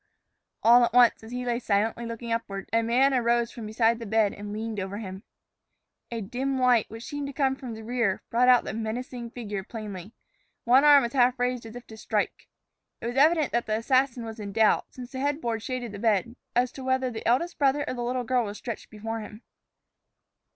All at once, as he lay silently looking upward, a man arose from beside the bed and leaned over him. A dim light, which seemed to come from the rear, brought out the menacing figure plainly. One arm was half raised as if to strike. It was evident that the assassin was in doubt, since the headboard shaded the bed, as to whether the eldest brother or the little girl was stretched before him.